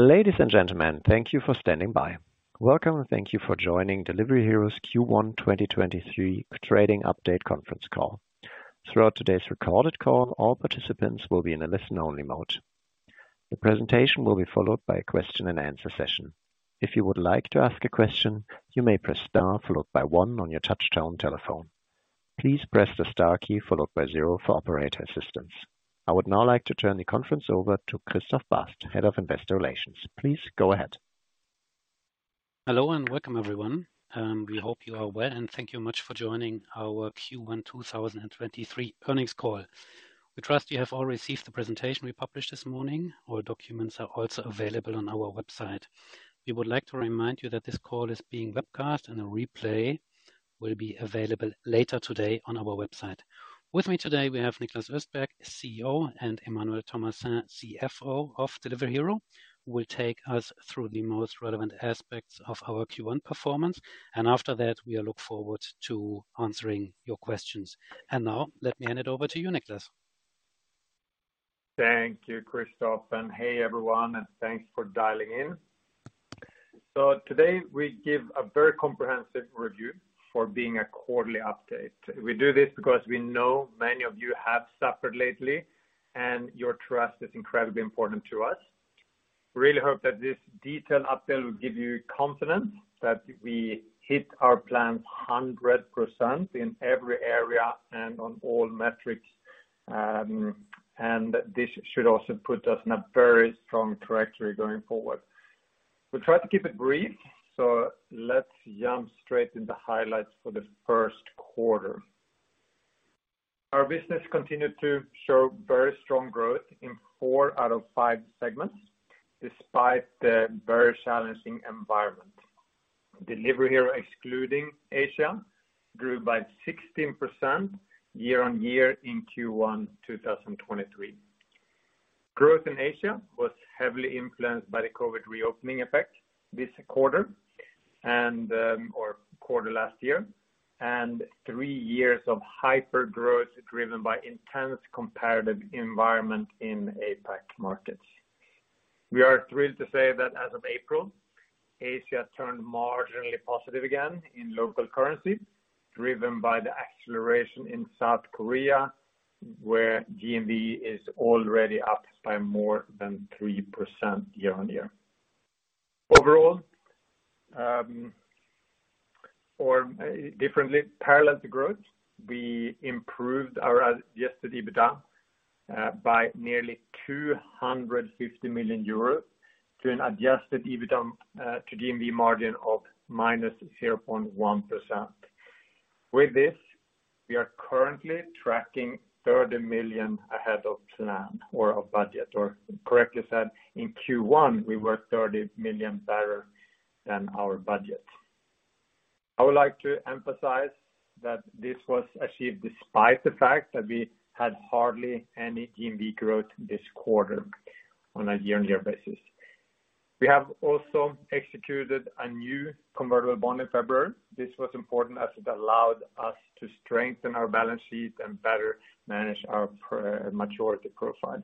Ladies and gentlemen, thank you for standing by. Welcome, and thank you for joining Delivery Hero's Q1 2023 trading update conference call. Throughout today's recorded call, all participants will be in a listen-only mode. The presentation will be followed by a question-and-answer session. If you would like to ask a question, you may press Star followed by one on your touchtone telephone. Please press the Star key followed by zero for operator assistance. I would now like to turn the conference over to Christoph Bast, Head of Investor Relations. Please go ahead. Hello and welcome, everyone. We hope you are well, and thank you much for joining our Q1 2023 earnings call. We trust you have all received the presentation we published this morning. All documents are also available on our website. We would like to remind you that this call is being webcast, and a replay will be available later today on our website. With me today, we have Niklas Östberg, CEO, and Emmanuel Thomassin, CFO of Delivery Hero, who will take us through the most relevant aspects of our Q1 performance. After that, we look forward to answering your questions. Now let me hand it over to you, Niklas. Thank you, Christoph. Hey, everyone, and thanks for dialing in. Today we give a very comprehensive review for being a quarterly update. We do this because we know many of you have suffered lately, and your trust is incredibly important to us. Really hope that this detailed update will give you confidence that we hit our plans 100% in every area and on all metrics. This should also put us in a very strong trajectory going forward. We try to keep it brief, so let's jump straight into highlights for the first quarter. Our business continued to show very strong growth in four out of five segments, despite the very challenging environment. Delivery Hero, excluding Asia, grew by 16% year-on-year in Q1 2023. Growth in Asia was heavily influenced by the COVID reopening effect this quarter or quarter last year. Three years of hyper growth driven by intense competitive environment in APAC markets. We are thrilled to say that as of April, Asia turned marginally positive again in local currency, driven by the acceleration in South Korea, where GMV is already up by more than 3% year-on-year. Overall, parallel to growth, we improved our adjusted EBITDA by nearly 250 million euros to an adjusted EBITDA to GMV margin of -0.1%. With this, we are currently tracking 30 million ahead of plan or of budget. Correctly said, in Q1, we were 30 million better than our budget. I would like to emphasize that this was achieved despite the fact that we had hardly any GMV growth this quarter on a year-on-year basis. We have also executed a new convertible bond in February. This was important as it allowed us to strengthen our balance sheet and better manage our maturity profile.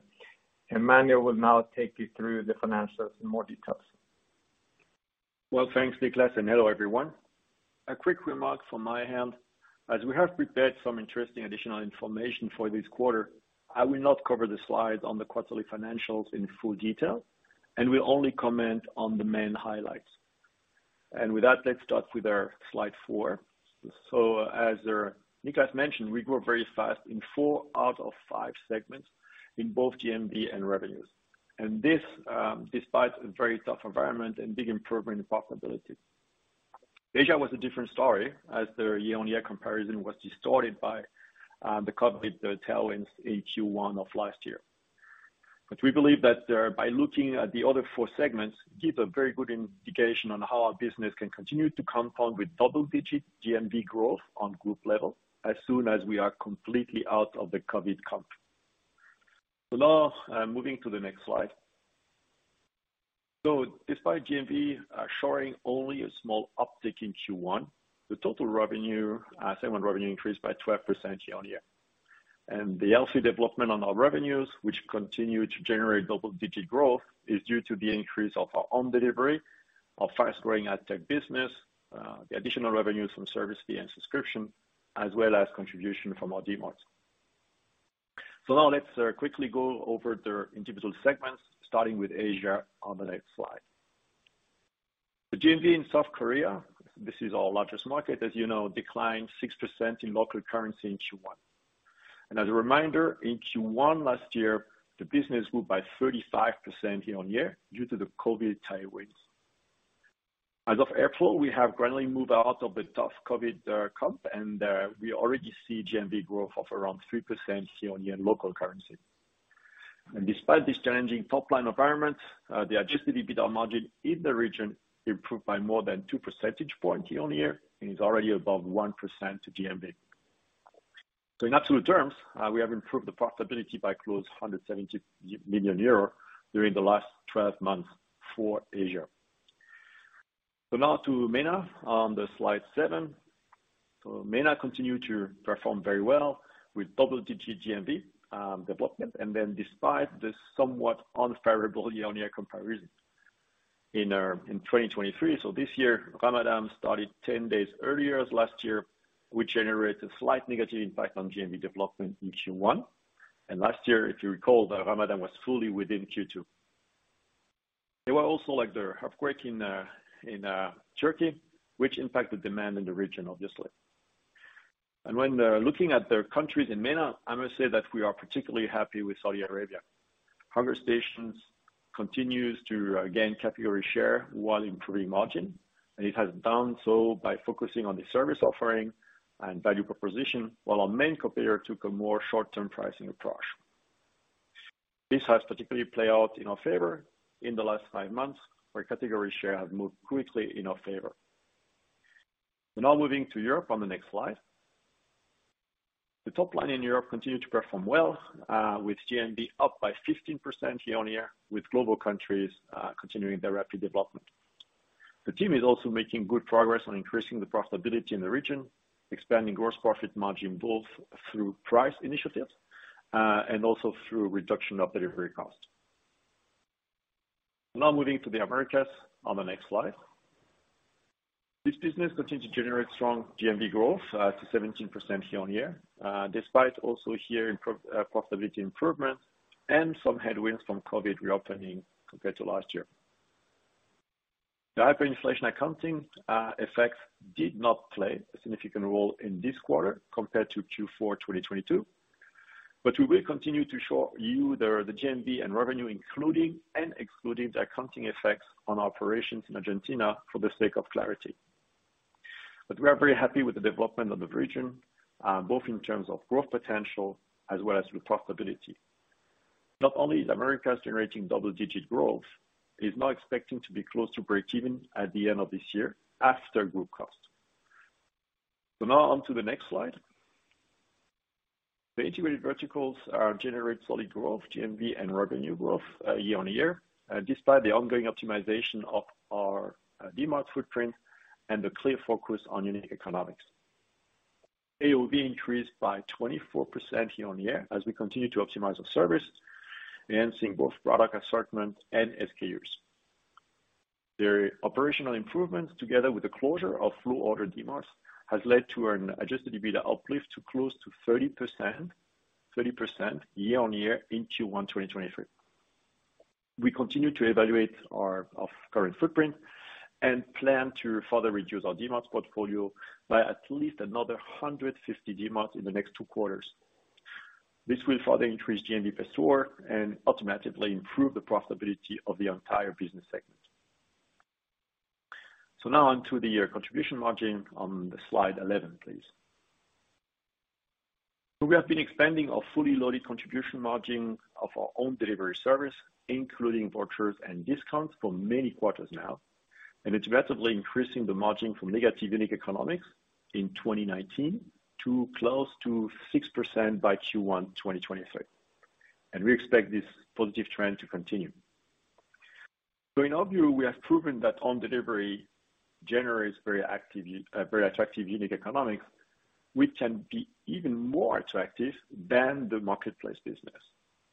Emmanuel will now take you through the financials in more details. Well, thanks, Niklas, and hello, everyone. A quick remark from my hand. As we have prepared some interesting additional information for this quarter, I will not cover the slides on the quarterly financials in full detail and will only comment on the main highlights. With that, let's start with our slide 4. As Niklas mentioned, we grew very fast in 4 out of 5 segments in both GMV and revenues. This, despite a very tough environment and big improvement in profitability. Asia was a different story as their year-on-year comparison was distorted by the COVID tailwinds in Q1 of last year. We believe that by looking at the other 4 segments, gives a very good indication on how our business can continue to compound with double-digit GMV growth on group level as soon as we are completely out of the COVID comp. Moving to the next slide. Despite GMV showing only a small uptick in Q1, the total revenue segment revenue increased by 12% year-on-year. The healthy development on our revenues, which continue to generate double-digit growth, is due to the increase of our own delivery, our fast-growing AdTech business, the additional revenues from service fee and subscription, as well as contribution from our Dmart. Let's quickly go over the individual segments, starting with Asia on the next slide. The GMV in South Korea, this is our largest market, as you know, declined 6% in local currency in Q1. As a reminder, in Q1 last year, the business grew by 35% year-on-year due to the COVID tailwinds. As of April, we have gradually moved out of the tough COVID comp, we already see GMV growth of around 3% year-on-year in local currency. Despite this challenging top-line environment, the adjusted EBITDA margin in the region improved by more than 2 percentage points year-on-year and is already above 1% to GMV. In absolute terms, we have improved the profitability by close to 170 million euro during the last 12 months for Asia. Now to MENA on the slide 7. MENA continued to perform very well with double-digit GMV development despite the somewhat unfavorable year-on-year comparison in 2023. This year, Ramadan started 10 days earlier as last year, which generates a slight negative impact on GMV development in Q1. Last year, if you recall, the Ramadan was fully within Q2. There were also like the earthquake in Turkey, which impacted demand in the region, obviously. When looking at their countries in MENA, I must say that we are particularly happy with Saudi Arabia. HungerStation continues to gain category share while improving margin, and it has done so by focusing on the service offering and value proposition, while our main competitor took a more short-term pricing approach. This has particularly played out in our favor in the last 5 months, where category share has moved quickly in our favor. We're now moving to Europe on the next slide. The top line in Europe continued to perform well, with GMV up by 15% year-on-year, with Glovo countries continuing their rapid development. The team is also making good progress on increasing the profitability in the region, expanding gross profit margin both through price initiatives and also through reduction of delivery costs. Moving to the Americas on the next slide. This business continued to generate strong GMV growth to 17% year-on-year. Despite also here profitability improvements and some headwinds from COVID reopening compared to last year. The hyperinflation accounting effects did not play a significant role in this quarter compared to Q4 2022, we will continue to show you the GMV and revenue, including and excluding the accounting effects on our operations in Argentina for the sake of clarity. We are very happy with the development of the region, both in terms of growth potential as well as with profitability. Not only is America generating double-digit growth, it is now expecting to be close to breakeven at the end of this year after group cost. Now on to the next slide. The integrated verticals generate solid growth, GMV and revenue growth year-on-year despite the ongoing optimization of our Dmart footprint and the clear focus on unit economics. AOV increased by 24% year-on-year as we continue to optimize our service, enhancing both product assortment and SKUs. The operational improvements together with the closure of low-order Dmarts has led to an adjusted EBITDA uplift to close to 30% year-on-year in Q1 2023. We continue to evaluate our current footprint and plan to further reduce our Dmarts portfolio by at least another 150 Dmarts in the next 2 quarters. This will further increase GMV per store and automatically improve the profitability of the entire business segment. Now on to the year contribution margin on the slide 11, please. We have been expanding our fully loaded contribution margin of our own delivery service, including vouchers and discounts for many quarters now, and it's massively increasing the margin from negative unit economics in 2019 to close to 6% by Q1 2023. We expect this positive trend to continue. In our view, we have proven that own delivery generates very attractive unit economics, which can be even more attractive than the marketplace business.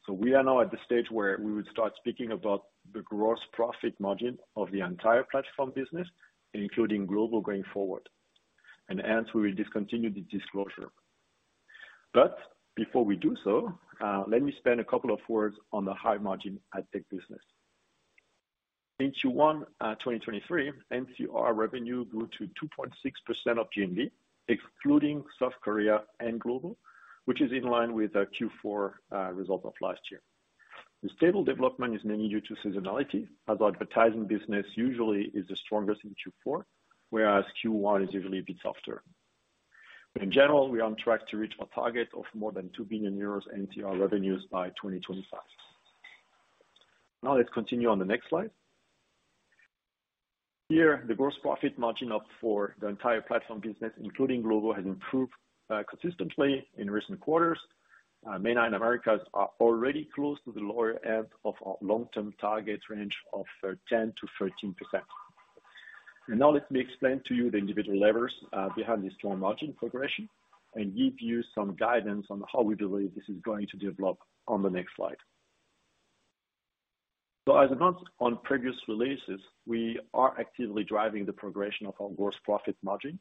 We are now at the stage where we would start speaking about the gross profit margin of the entire platform business, including Glovo going forward. Hence we will discontinue the disclosure. Before we do so, let me spend a couple of words on the high margin AdTech business. In Q1 2023, MCR revenue grew to 2.6% of GMV, excluding South Korea and Glovo, which is in line with our Q4 result of last year. The stable development is mainly due to seasonality, as advertising business usually is the strongest in Q4, whereas Q1 is usually a bit softer. In general, we are on track to reach our target of more than 2 billion euros MCR revenues by 2025. Let's continue on the next slide. Here, the gross profit margin up for the entire platform business, including Glovo, has improved consistently in recent quarters. MENA and Americas are already close to the lower end of our long-term target range of 10%-13%. Let me explain to you the individual levers behind this strong margin progression and give you some guidance on how we believe this is going to develop on the next slide. As announced on previous releases, we are actively driving the progression of our gross profit margin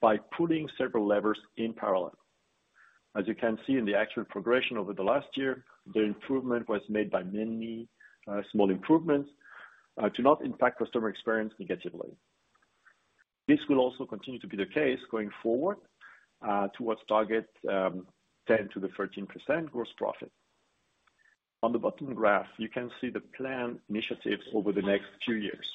by pulling several levers in parallel. As you can see in the actual progression over the last year, the improvement was made by many small improvements to not impact customer experience negatively. This will also continue to be the case going forward towards target 10%-13% gross profit. On the bottom graph, you can see the planned initiatives over the next few years.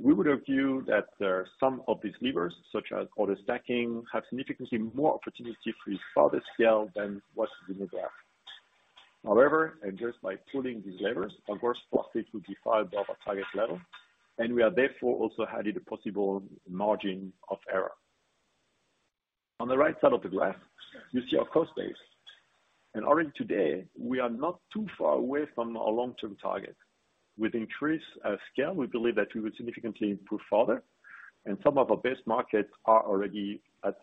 We would argue that there are some of these levers, such as order stacking, have significantly more opportunity for further scale than what's in the graph. However, just by pulling these levers, our gross profit will be far above our target level, and we are therefore also adding a possible margin of error. On the right side of the graph, you see our cost base, already today, we are not too far away from our long-term target. With increased scale, we believe that we would significantly improve further, some of our best markets are already at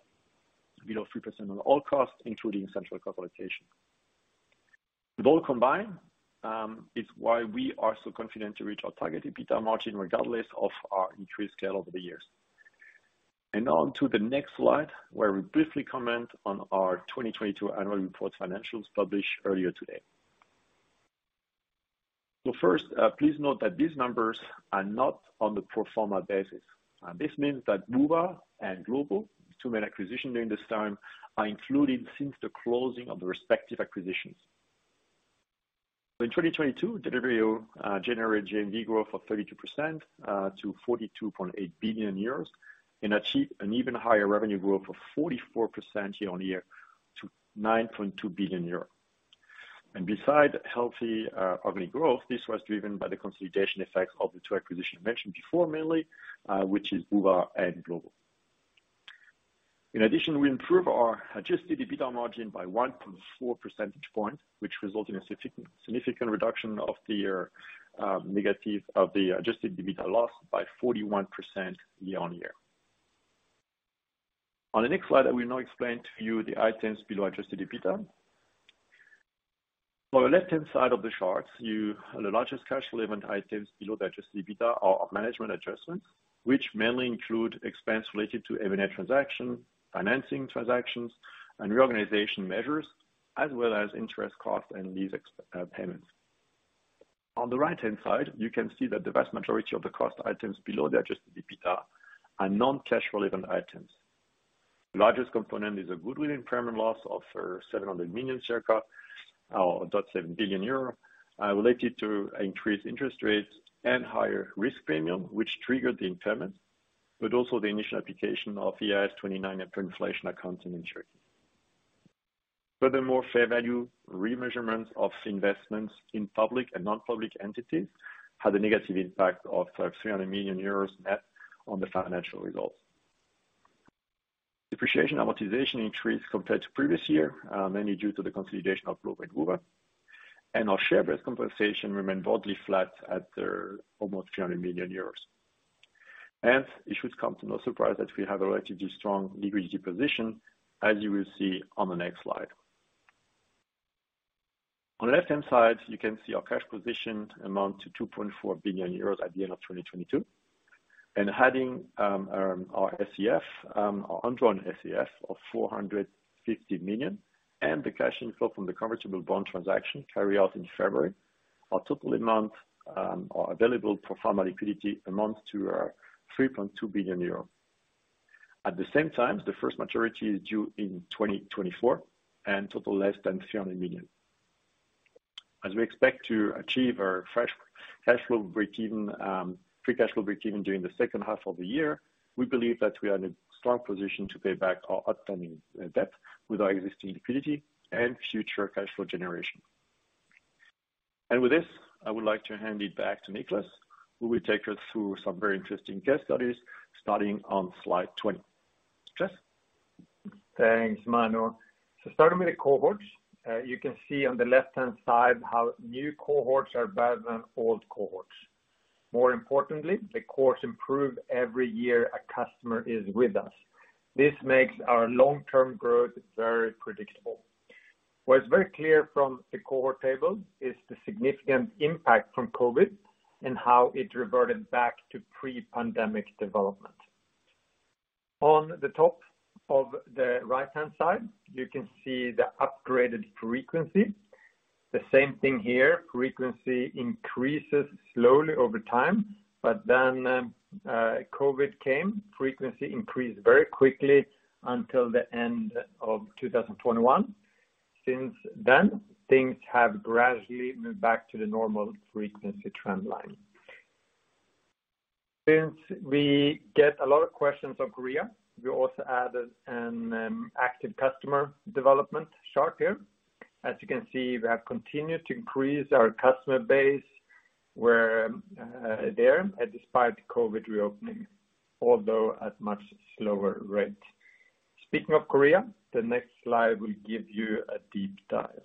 below 3% on all costs, including central capitalization. With all combined, it's why we are so confident to reach our targeted EBITDA margin regardless of our increased scale over the years. On to the next slide, where we briefly comment on our 2022 annual report financials published earlier today. First, please note that these numbers are not on the pro forma basis. This means that Woowa and Glovo, two main acquisition during this time, are included since the closing of the respective acquisitions. In 2022, Delivery Hero generated GMV growth of 32% to 42.8 billion euros, and achieved an even higher revenue growth of 44% year-on-year to 9.2 billion euro. Beside healthy organic growth, this was driven by the consolidation effect of the two acquisition mentioned before, mainly which is Woowa and Glovo. In addition, we improve our adjusted EBITDA margin by 1.4 percentage point, which result in a significant reduction of the year, negative of the adjusted EBITDA loss by 41% year-on-year. On the next slide, I will now explain to you the items below adjusted EBITDA. On the left-hand side of the charts, you have the largest cash relevant items below the adjusted EBITDA are of management adjustments, which mainly include expense related to M&A transaction, financing transactions, and reorganization measures, as well as interest costs and lease payments. On the right-hand side, you can see that the vast majority of the cost items below the adjusted EBITDA are non-cash relevant items. Largest component is a goodwill impairment loss of 700 million circa or 0.7 billion euro, related to increased interest rates and higher risk premium, which triggered the impairment, but also the initial application of IAS 29 and hyperinflation accounting. Furthermore, fair value remeasurement of investments in public and non-public entities had a negative impact of 300 million euros net on the financial results. Depreciation amortization increased compared to previous year, mainly due to the consolidation of Glovo and Woowa. Our share-based compensation remained broadly flat at almost 300 million euros. It should come to no surprise that we have a relatively strong liquidity position, as you will see on the next slide. On the left-hand side, you can see our cash position amount to 2.4 billion euros at the end of 2022. Adding our SCF, our undrawn SCF of 450 million, and the cash inflow from the convertible bond transaction carry out in February. Our available pro forma liquidity amounts to 3.2 billion euros. At the same time, the first maturity is due in 2024 and total less than 300 million. As we expect to achieve our free cash flow breakeven during the second half of the year, we believe that we are in a strong position to pay back our outstanding debt with our existing liquidity and future cash flow generation. With this, I would like to hand it back to Niklas, who will take us through some very interesting case studies, starting on slide 20. Niklas. Thanks, Manuel. Starting with the cohorts, you can see on the left-hand side how new cohorts are better than old cohorts. More importantly, the cohorts improve every year a customer is with us. This makes our long-term growth very predictable. What is very clear from the cohort table is the significant impact from COVID and how it reverted back to pre-pandemic development. On the top of the right-hand side, you can see the upgraded frequency. The same thing here. Frequency increases slowly over time. COVID came, frequency increased very quickly until the end of 2021. Since then, things have gradually moved back to the normal frequency trend line. Since we get a lot of questions on Korea, we also added an active customer development chart here. As you can see, we have continued to increase our customer base where there despite COVID reopening, although at much slower rate. Speaking of Korea, the next slide will give you a deep dive.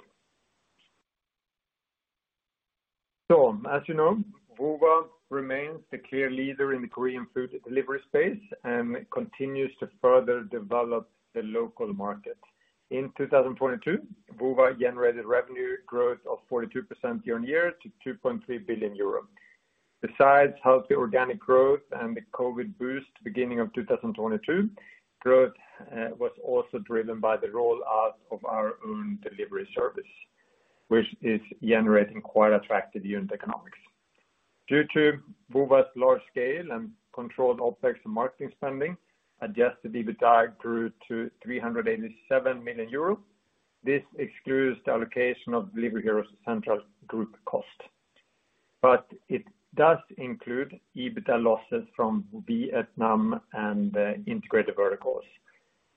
As you know, Woowa remains the clear leader in the Korean food delivery space and continues to further develop the local market. In 2022, Woowa generated revenue growth of 42% year-on-year to 2.3 billion euro. Besides healthy organic growth and the COVID boost beginning of 2022, growth was also driven by the rollout of our own delivery service, which is generating quite attractive unit economics. Due to Woowa's large scale and controlled OpEx and marketing spending, adjusted EBITDA grew to 387 million euros. This excludes the allocation of Delivery Hero's central group cost. It does include EBITDA losses from Vietnam and Integrated Verticals.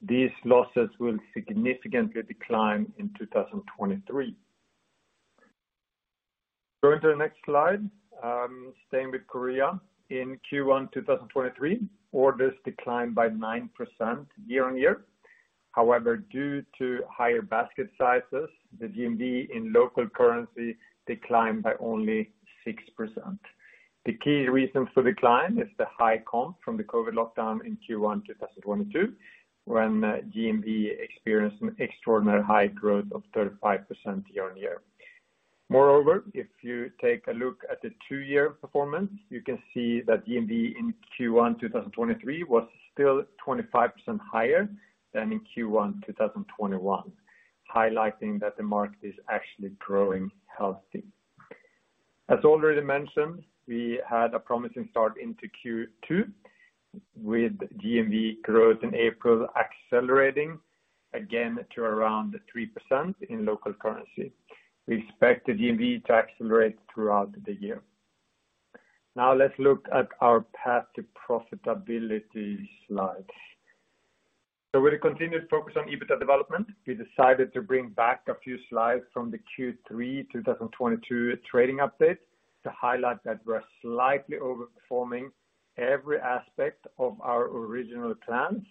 These losses will significantly decline in 2023. Going to the next slide, staying with Korea in Q1 2023, orders declined by 9% year-on-year. Due to higher basket sizes, the GMV in local currency declined by only 6%. The key reasons for decline is the high comp from the COVID lockdown in Q1 2022, when GMV experienced an extraordinary high growth of 35% year-on-year. If you take a look at the 2-year performance, you can see that GMV in Q1 2023 was still 25% higher than in Q1 2021, highlighting that the market is actually growing healthy. As already mentioned, we had a promising start into Q2 with GMV growth in April accelerating again to around 3% in local currency. We expect the GMV to accelerate throughout the year. Let's look at our path to profitability slide. With a continued focus on EBITDA development, we decided to bring back a few slides from the Q3 2022 trading update to highlight that we're slightly overperforming every aspect of our original plans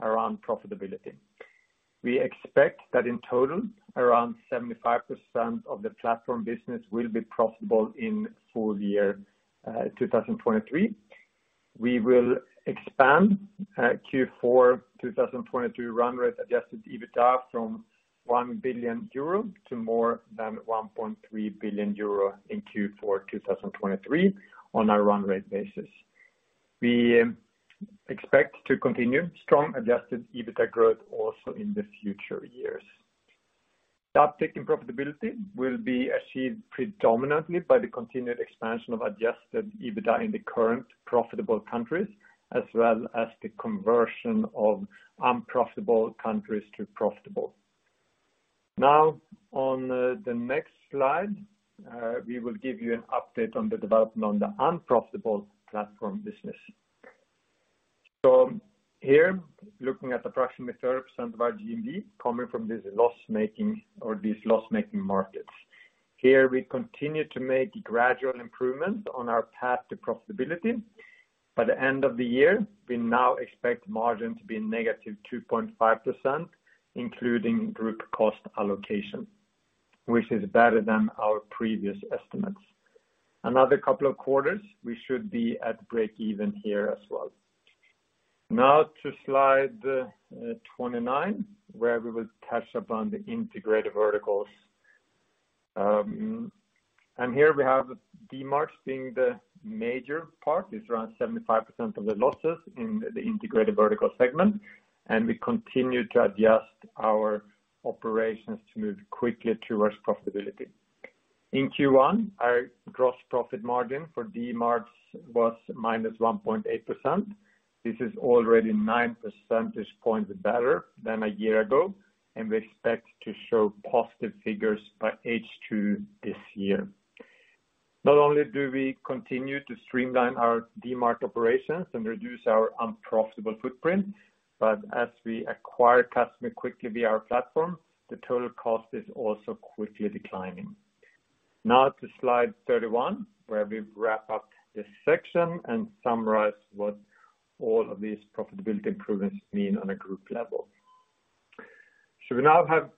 around profitability. We expect that in total, around 75% of the platform business will be profitable in full year 2023. We will expand Q4 2023 run rate adjusted EBITDA from 1 billion euro to more than 1.3 billion euro in Q4 2023 on a run rate basis. We expect to continue strong adjusted EBITDA growth also in the future years. The uptick in profitability will be achieved predominantly by the continued expansion of adjusted EBITDA in the current profitable countries, as well as the conversion of unprofitable countries to profitable. On the next slide, we will give you an update on the development on the unprofitable platform business. Here, looking at approximately 30% of our GMV coming from this loss-making or these loss-making markets. Here we continue to make gradual improvement on our path to profitability. By the end of the year, we now expect margin to be negative 2.5%, including group cost allocation, which is better than our previous estimates. Another couple of quarters, we should be at breakeven here as well. To slide 29, where we will catch up on the Integrated Verticals. Here we have the Dmart being the major part. It's around 75% of the losses in the Integrated Verticals segment. We continue to adjust our operations to move quickly towards profitability. In Q1, our gross profit margin for Dmarts was minus 1.8%. This is already 9 percentage points better than a year ago. We expect to show positive figures by H2 this year. Not only do we continue to streamline our Dmart operations and reduce our unprofitable footprint. As we acquire customer quickly via our platform, the total cost is also quickly declining. To slide 31, where we wrap up this section and summarize what all of these profitability improvements mean on a group level. We now have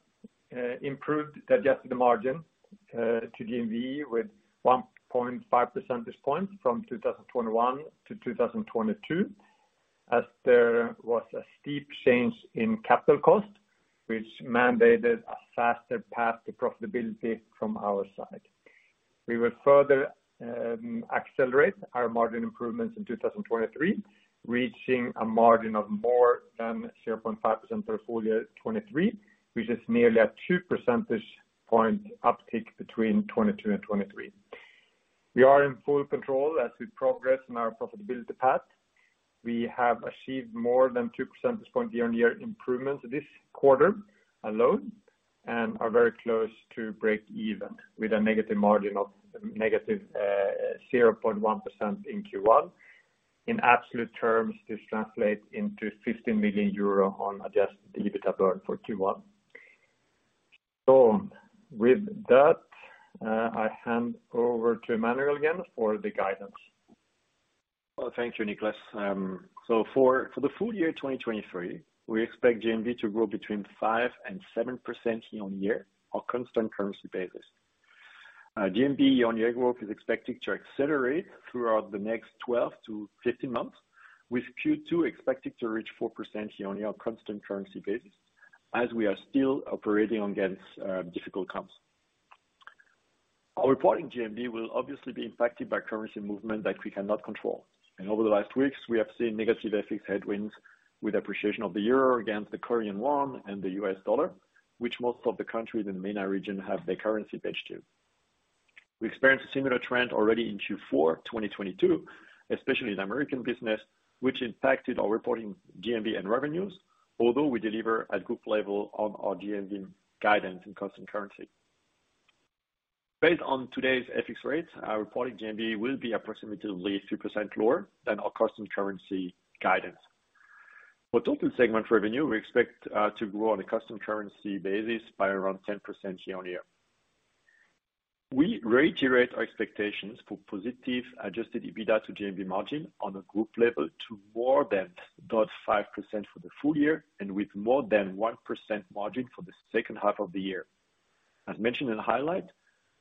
improved adjusted margin to GMV with 1.5% this point from 2021 to 2022, as there was a steep change in capital cost, which mandated a faster path to profitability from our side. We will further accelerate our margin improvements in 2023, reaching a margin of more than 0.5% for full year 23, which is nearly a 2 percentage point uptick between 22 and 23. We are in full control as we progress on our profitability path. We have achieved more than 2% this point year-on-year improvement this quarter alone and are very close to break even with a negative margin of negative 0.1% in Q1. In absolute terms, this translates into 50 million euro on adjusted EBITDA burn for Q1. With that, I hand over to Emmanuel again for the guidance. Well, thank you, Niklas. For the full year 2023, we expect GMV to grow between 5% and 7% year-on-year on constant currency basis. GMV year-on-year growth is expected to accelerate throughout the next 12 to 15 months, with Q2 expected to reach 4% year-on-year on constant currency basis as we are still operating against difficult comps. Our reporting GMV will obviously be impacted by currency movement that we cannot control. Over the last weeks, we have seen negative FX headwinds with appreciation of the euro against the Korean won and the U.S. dollar, which most of the countries in the MENA region have their currency pegged to. We experienced a similar trend already in Q4 2022, especially in American business, which impacted our reporting GMV and revenues. We deliver at group level on our GMV guidance in constant currency. Based on today's FX rates, our reported GMV will be approximately 2% lower than our constant currency guidance. For total segment revenue, we expect to grow on a constant currency basis by around 10% year-on-year. We reiterate our expectations for positive adjusted EBITDA to GMV margin on a group level to more than 0.5% for the full year and with more than 1% margin for the second half of the year. As mentioned in the highlight,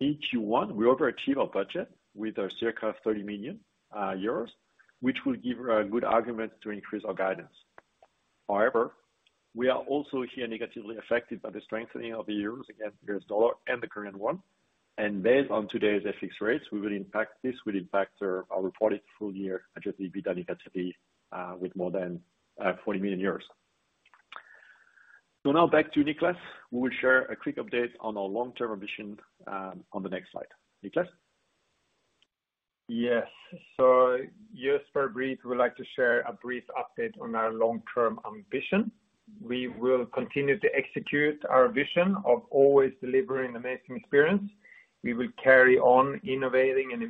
in Q1, we overachieve our budget with our circa 30 million euros, which will give a good argument to increase our guidance. We are also here negatively affected by the strengthening of the euros against the U.S. dollar and the Korean won. Based on today's FX rates, we'll impact our reported full year adjusted EBITDA negatively, with more than 40 million. Now back to Niklas, who will share a quick update on our long-term ambition on the next slide. Niklas? Yes. just very brief, we would like to share a brief update on our long-term ambition. We will continue to execute our vision of always delivering amazing experience. We will carry on innovating and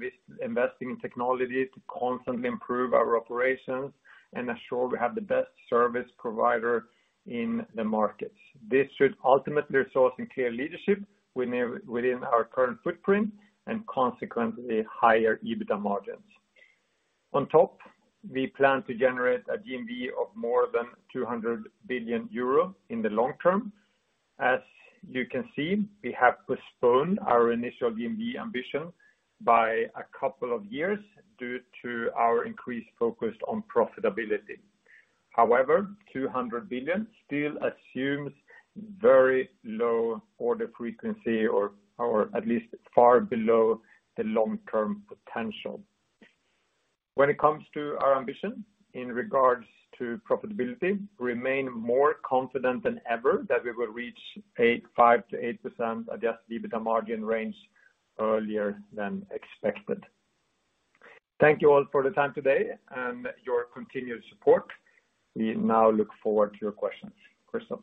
investing in technology to constantly improve our operations and ensure we have the best service provider in the markets. This should ultimately result in clear leadership within our current footprint and consequently higher EBITDA margins. On top, we plan to generate a GMV of more than 200 billion euro in the long term. As you can see, we have postponed our initial GMV ambition by a couple of years due to our increased focus on profitability. However, 200 billion still assumes very low order frequency or at least far below the long-term potential. When it comes to our ambition in regards to profitability, we remain more confident than ever that we will reach 5%-8% adjusted EBITDA margin range earlier than expected. Thank you all for the time today and your continued support. We now look forward to your questions. Christoph?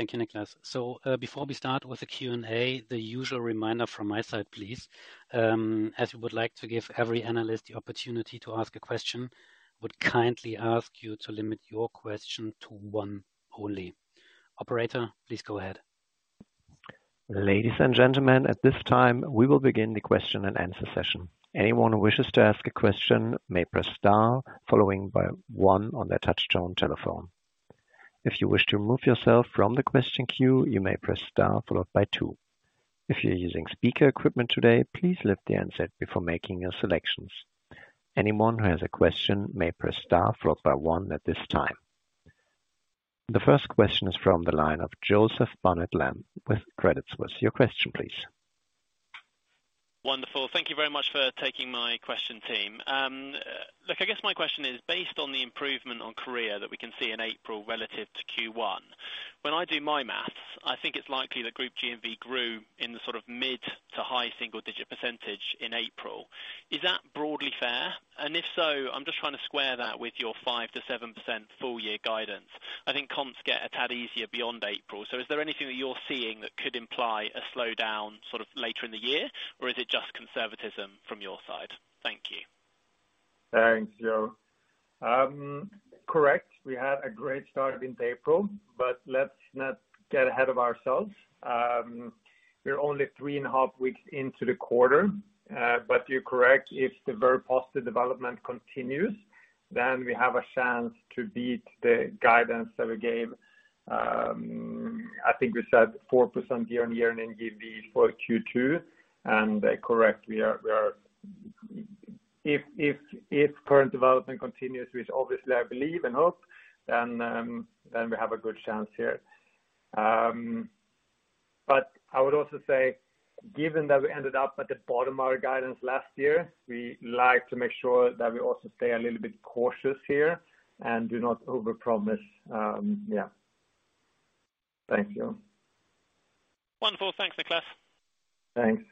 Thank you, Niklas. Before we start with the Q&A, the usual reminder from my side, please. As we would like to give every analyst the opportunity to ask a question, would kindly ask you to limit your question to one only. Operator, please go ahead. Ladies and gentlemen, at this time, we will begin the question and answer session. Anyone who wishes to ask a question may press star following by one on their touchtone telephone. If you wish to remove yourself from the question queue, you may press star followed by two. If you're using speaker equipment today, please lift the handset before making your selections. Anyone who has a question may press star followed by one at this time. The first question is from the line of Joseph Barnet-Lamb with Credit Suisse. Your question please. Wonderful. Thank you very much for taking my question, team. look, I guess my question is based on the improvement on Korea that we can see in April relative to Q1. When I do my maths, I think it's likely that group GMV grew in the sort of mid-to-high single-digit % in April. Is that broadly fair? If so, I'm just trying to square that with your 5%-7% full year guidance. I think comps get a tad easier beyond April. Is there anything that you're seeing that could imply a slowdown sort of later in the year? Or is it just conservatism from your side? Thank you. Thanks, Joe. Correct. We had a great start in April. Let's not get ahead of ourselves. We're only three and a half weeks into the quarter. You're correct. If the very positive development continues, then we have a chance to beat the guidance that we gave. I think we said 4% year-on-year in GMV for Q2. Correct, we are. If current development continues, which obviously I believe and hope, then we have a good chance here. I would also say, given that we ended up at the bottom of our guidance last year, we like to make sure that we also stay a little bit cautious here and do not overpromise. Yeah. Thank you. Wonderful. Thanks, Niklas. Thanks.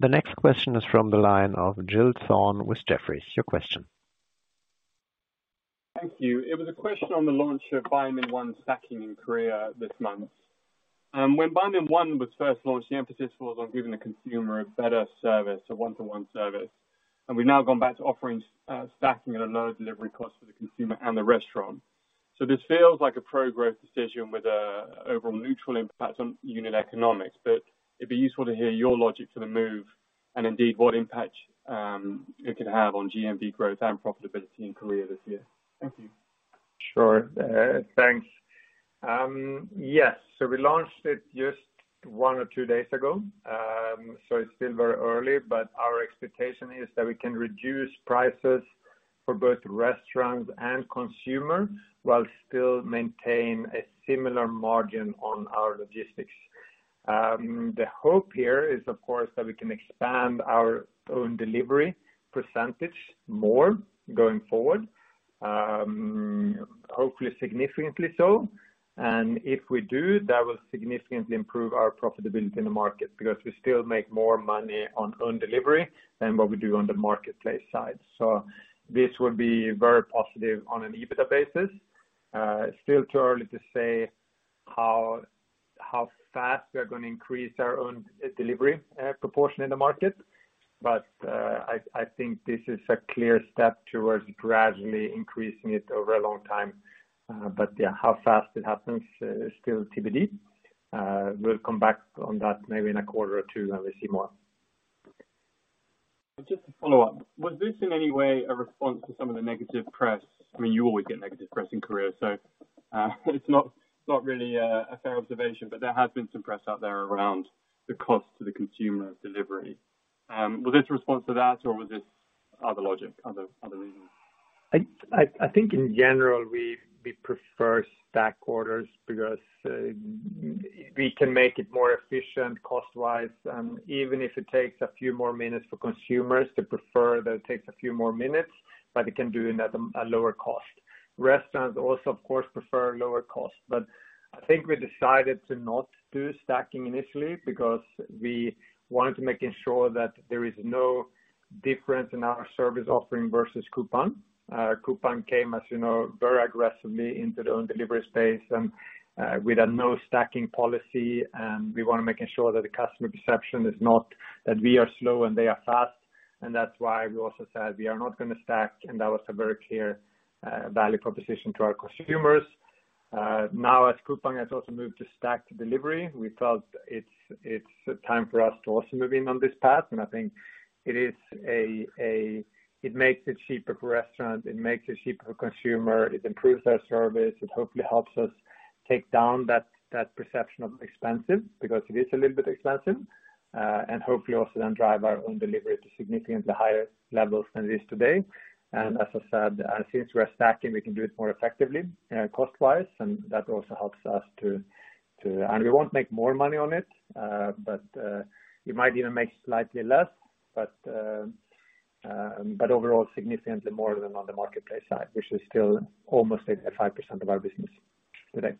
The next question is from the line of Giles Thorne with Jefferies. Your question. Thank you. It was a question on the launch of Baemin One stacking in Korea this month. When Baemin One was first launched, the emphasis was on giving the consumer a better service, a one-to-one service. We've now gone back to offering stacking at a lower delivery cost for the consumer and the restaurant. This feels like a pro-growth decision with a overall neutral impact on unit economics. It'd be useful to hear your logic for the move and indeed what impact it could have on GMV growth and profitability in Korea this year. Thank you. Sure. Thanks. Yes. We launched it just one or two days ago. It's still very early, but our expectation is that we can reduce prices for both restaurants and consumers while still maintain a similar margin on our logistics. The hope here is of course that we can expand our own delivery percentage more going forward, hopefully significantly so. If we do, that will significantly improve our profitability in the market because we still make more money on own delivery than what we do on the marketplace side. This will be very positive on an EBITDA basis. It's still too early to say How fast we are gonna increase our own delivery, proportion in the market. I think this is a clear step towards gradually increasing it over a long time. Yeah, how fast it happens is still TBD. We'll come back on that maybe in a quarter or two when we see more. Just to follow up. Was this in any way a response to some of the negative press? I mean, you always get negative press in Korea, so, it's not really a fair observation, but there has been some press out there around the cost to the consumer delivery. Was this a response to that or was this other logic, other reasons? I think in general we prefer stack orders because we can make it more efficient cost-wise, even if it takes a few more minutes for consumers to prefer that it takes a few more minutes, but it can do it at a lower cost. Restaurants also of course prefer lower costs. I think we decided to not do stacking initially because we wanted to making sure that there is no difference in our service offering versus Coupang. Coupang came, as you know, very aggressively into the own delivery space, and we had no stacking policy, and we wanna making sure that the customer perception is not that we are slow and they are fast. That's why we also said we are not gonna stack, and that was a very clear value proposition to our consumers. Now as Coupang has also moved to stacked delivery, we felt it's time for us to also move in on this path. I think it makes it cheaper for restaurants, it makes it cheaper for consumer, it improves our service, it hopefully helps us take down that perception of expensive, because it is a little bit expensive. Hopefully also then drive our own delivery to significantly higher levels than it is today. As I said, since we're stacking, we can do it more effectively, cost-wise, and that also helps us to. We won't make more money on it, but we might even make slightly less, but overall significantly more than on the marketplace side, which is still almost 85% of our business today.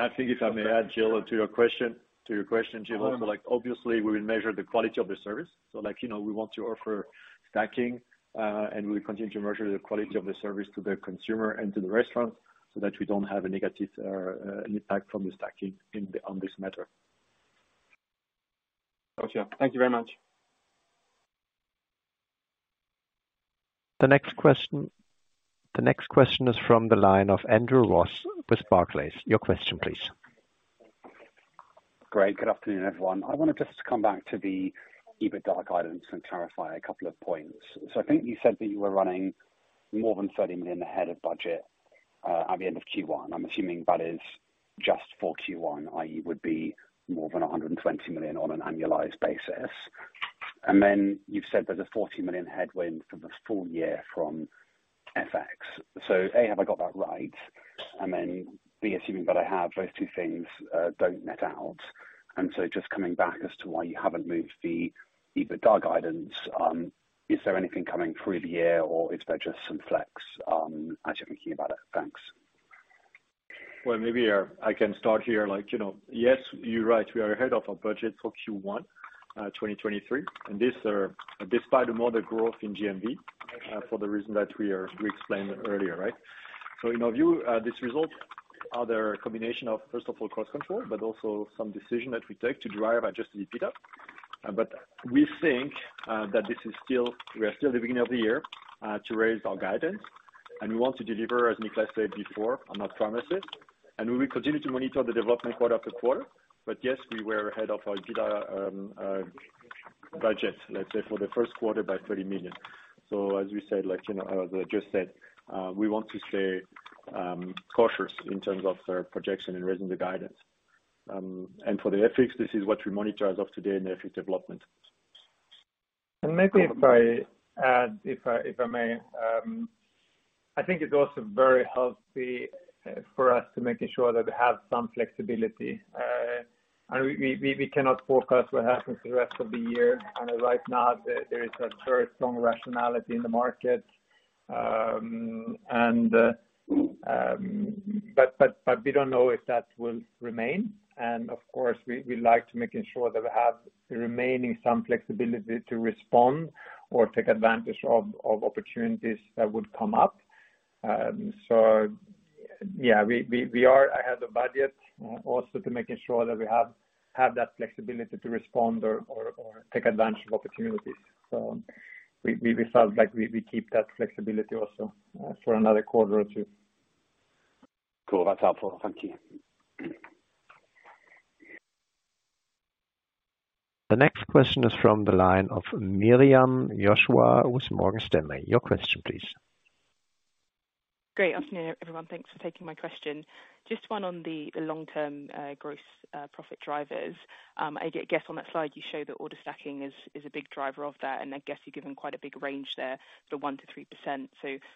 I think if I may add, Giles, to your question, Giles, also like obviously we will measure the quality of the service. Like, you know, we want to offer stacking, and we continue to measure the quality of the service to the consumer and to the restaurant so that we don't have a negative impact from the stacking on this matter. Got you. Thank you very much. The next question is from the line of Andrew Ross with Barclays. Your question please. Great. Good afternoon, everyone. I wanna just come back to the EBITDA guidance and clarify a couple of points. I think you said that you were running more than 30 million ahead of budget, at the end of Q1. I'm assuming that is just for Q1, i.e., would be more than 120 million on an annualized basis. You've said there's a 40 million headwind for the full year from FX. A, have I got that right? B, assuming that I have, those two things don't net out. Just coming back as to why you haven't moved the EBITDA guidance, is there anything coming through the year or is there just some flex, as you're thinking about it? Thanks. Well, maybe, I can start here, like, you know, yes, you're right, we are ahead of our budget for Q1 2023. This, despite the moderate growth in GMV, for the reason that we explained earlier, right? In our view, this result are the combination of, first of all, cost control, but also some decision that we take to drive adjusted EBITDA. We think that we are still at the beginning of the year to raise our guidance, and we want to deliver, as Niklas said before, on our promises, and we will continue to monitor the development quarter after quarter. Yes, we were ahead of our EBITDA budget, let's say for the first quarter by 30 million. As we said, like, you know, as I just said, we want to stay cautious in terms of our projection in raising the guidance. For the FX, this is what we monitor as of today in the FX development. Maybe if I add, if I may, I think it's also very healthy for us to making sure that we have some flexibility. We cannot forecast what happens the rest of the year. Right now there is a very strong rationality in the market. We don't know if that will remain. Of course, we like to making sure that we have remaining some flexibility to respond or take advantage of opportunities that would come up. Yeah, we are ahead of budget also to making sure that we have that flexibility to respond or take advantage of opportunities. We felt like we keep that flexibility also for another quarter or two. Cool. That's helpful. Thank you. The next question is from the line of Miriam Josiah with Morgan Stanley. Your question please. Great. Afternoon, everyone. Thanks for taking my question. Just one on the long-term gross profit drivers. I guess on that slide you show that order stacking is a big driver of that, and I guess you're given quite a big range there for 1%-3%.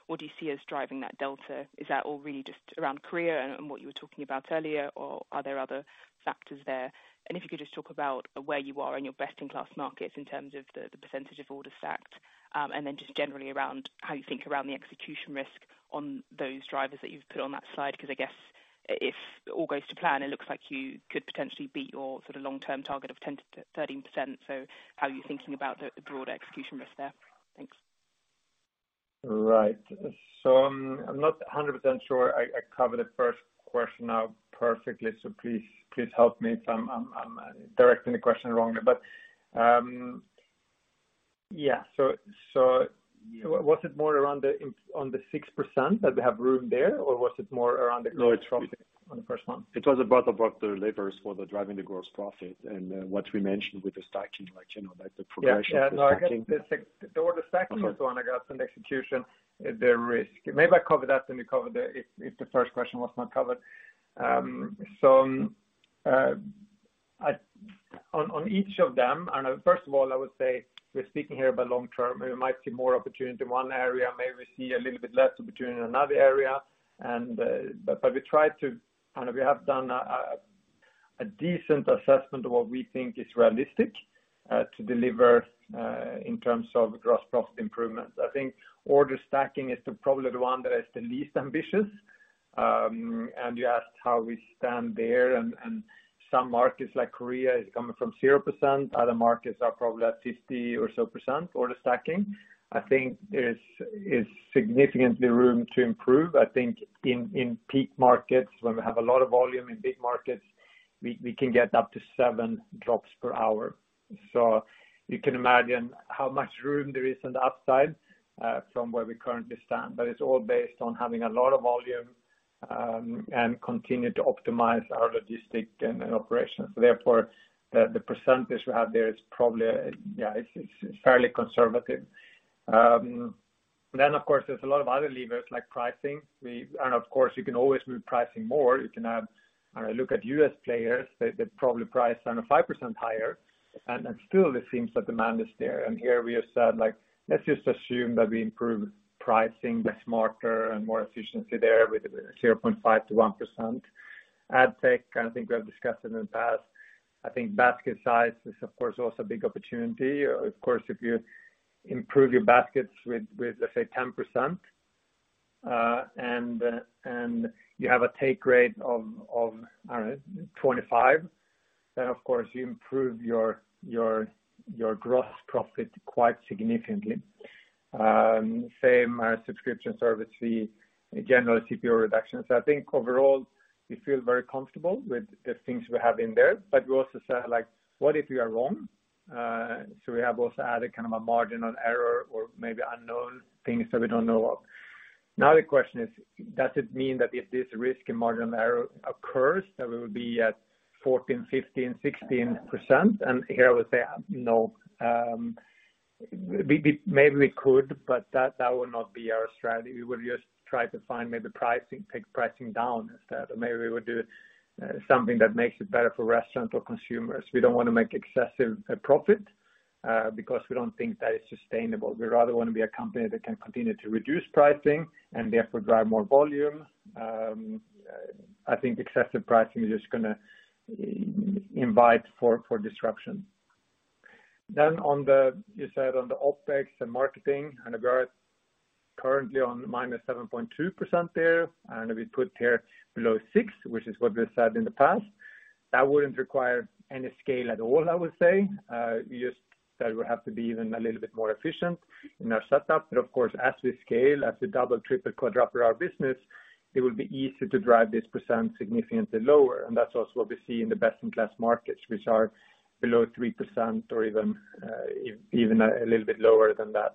What do you see as driving that delta? Is that all really just around Korea and what you were talking about earlier, or are there other factors there? If you could just talk about where you are in your best-in-class markets in terms of the percentage of orders stacked. Just generally around how you think around the execution risk on those drivers that you've put on that slide, 'cause I guess if all goes to plan, it looks like you could potentially beat your sort of long-term target of 10%-13%. How are you thinking about the broader execution risk there? Thanks. I'm not 100% sure I covered the first question now perfectly, so please help me if I'm directing the question wrongly. Yeah. Was it more around the 6% that we have room there, or was it more around the gross profit? No. On the first one? It was about the levers for the driving the gross profit and what we mentioned with the stacking, like, you know, like the progression of the stacking. Yeah. Yeah. No, I get this. The order stacking is one I got, and execution is the risk. Maybe I covered that when you covered If the first question was not covered. On each of them, first of all, I would say we're speaking here about long-term. We might see more opportunity in one area, maybe we see a little bit less opportunity in another area. But we try to I know we have done a decent assessment of what we think is realistic to deliver in terms of gross profit improvements. I think order stacking is the probably the one that is the least ambitious. You asked how we stand there and some markets like Korea is coming from 0%, other markets are probably at 50% or so order stacking. I think there's significantly room to improve. I think in peak markets, when we have a lot of volume in big markets, we can get up to 7 drops per hour. You can imagine how much room there is on the upside, from where we currently stand. It's all based on having a lot of volume, and continue to optimize our logistics and operations. Therefore, the percentage we have there is probably, yeah, it's fairly conservative. Of course, there's a lot of other levers like pricing. Of course you can always do pricing more. You can have... When I look at U.S. players, they probably price around a 5% higher, then still it seems that demand is there. Here we have said, like, let's just assume that we improve pricing, get smarter and more efficiency there with a 0.5%-1%. AdTech, I think we have discussed in the past. I think basket size is of course also a big opportunity. Of course, if you improve your baskets with let's say 10%, and you have a take rate of, I don't know, 25%, then of course you improve your gross profit quite significantly. Same as subscription service fee, general CPO reductions. I think overall we feel very comfortable with the things we have in there, but we also say like, what if we are wrong? We have also added kind of a marginal error or maybe unknown things that we don't know of. Now the question is, does it mean that if this risk and marginal error occurs, that we will be at 14%, 15%, 16%? Here I would say no. We maybe we could, but that would not be our strategy. We would just try to find maybe pricing, take pricing down instead. Maybe we would do something that makes it better for restaurants or consumers. We don't wanna make excessive profit because we don't think that is sustainable. We rather wanna be a company that can continue to reduce pricing and therefore drive more volume. I think excessive pricing is just gonna invite for disruption. you said on the OpEx and marketing, and we are currently on -7.2% there, and we put here below 6, which is what we've said in the past. That wouldn't require any scale at all, I would say. That would have to be even a little bit more efficient in our setup. Of course, as we scale, as we double, triple, quadruple our business, it will be easier to drive this % significantly lower. That's also what we see in the best-in-class markets, which are below 3% or even a little bit lower than that.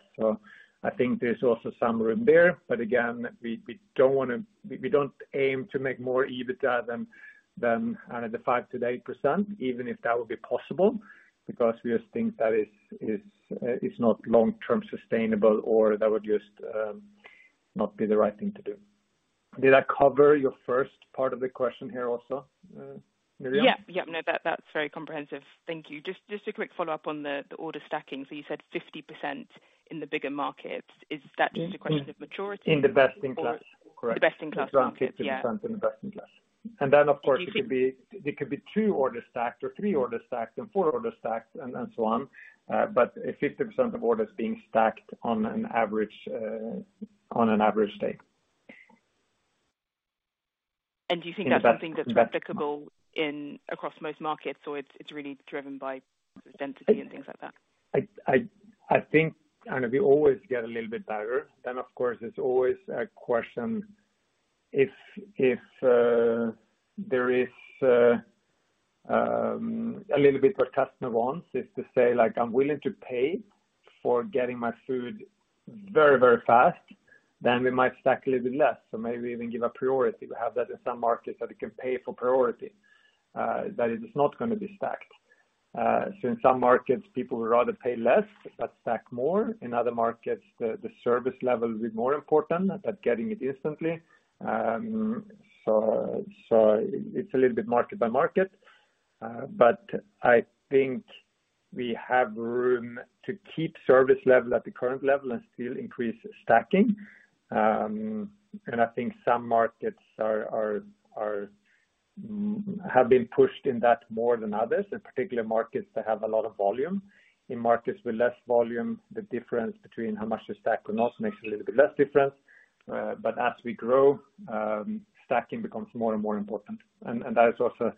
I think there's also some room there. Again, we don't wanna... We don't aim to make more EBITDA than, kind of the 5%-8%, even if that would be possible, because we just think that is not long-term sustainable or that would just not be the right thing to do. Did I cover your first part of the question here also, Miriam? Yeah. No, that's very comprehensive. Thank you. Just a quick follow-up on the order stacking. You said 50% in the bigger markets. Is that just a question of maturity? In the best-in-class. Or- Correct. The best-in-class markets, yeah. Around 50% in the best-in-class. Then of course it could be- Do you think- It could be 2 orders stacked or 3 orders stacked and 4 orders stacked and so on. If 50% of orders being stacked on an average, on an average day. Do you think that's something that's replicable in across most markets or it's really driven by density and things like that? I think I know we always get a little bit better. Of course there's always a question if there is a little bit what customer wants, is to say like, "I'm willing to pay for getting my food very, very fast," then we might stack a little bit less. Maybe even give a priority. We have that in some markets, that you can pay for priority, that it is not gonna be stacked. In some markets people would rather pay less, but stack more. In other markets, the service level is more important, but getting it instantly. It's a little bit market by market. I think we have room to keep service level at the current level and still increase stacking. I think some markets are... have been pushed in that more than others, in particular markets that have a lot of volume. In markets with less volume, the difference between how much they stack or not makes a little bit less difference. but as we grow, stacking becomes more and more important. That is also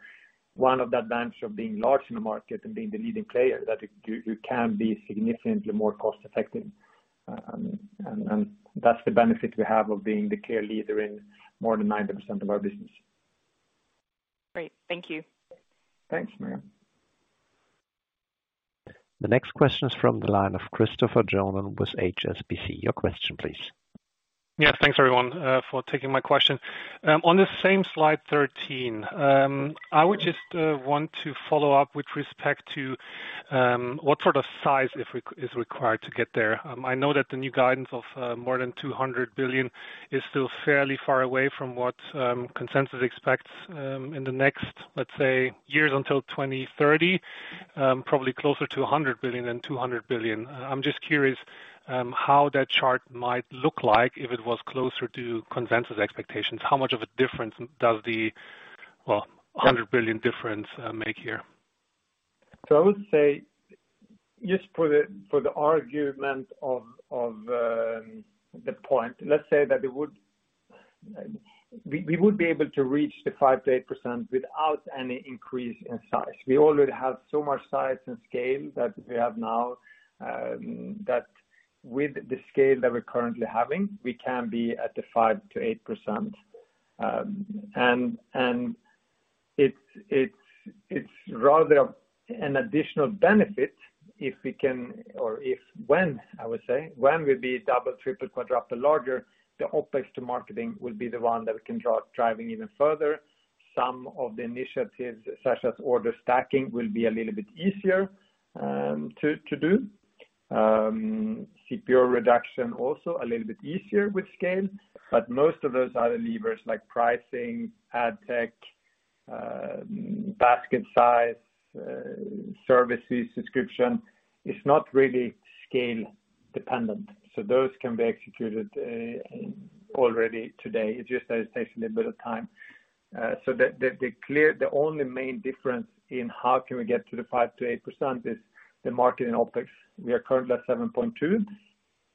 one of the advantage of being large in the market and being the leading player, that you can be significantly more cost effective. That's the benefit we have of being the clear leader in more than 90% of our business. Great. Thank you. Thanks, Mirriam. The next question is from the line of Christopher Johnen with HSBC. Your question, please. Thanks, everyone, for taking my question. On the same slide 13, I would just want to follow up with respect to what sort of size is required to get there. I know that the new guidance of more than 200 billion is still fairly far away from what consensus expects in the next, let's say, years until 2030. Probably closer to 100 billion than 200 billion. I'm just curious how that chart might look like if it was closer to consensus expectations. How much of a difference does the, well, 100 billion difference make here? I would say just for the argument of the point, let's say that we would be able to reach the 5%-8% without any increase in size. We already have so much size and scale that we have now, that with the scale that we're currently having, we can be at the 5%-8%. It's rather an additional benefit if we can or if when, I would say, when we be double, triple, quadruple larger, the OpEx to marketing will be the one that we can driving even further. Some of the initiatives, such as order stacking, will be a little bit easier to do. CPO reduction also a little bit easier with scale, but most of those other levers like pricing, AdTech, basket size, services, subscription, is not really scale dependent, so those can be executed already today. It's just that it takes a little bit of time. The only main difference in how can we get to the 5%-8% is the marketing OpEx. We are currently at 7.2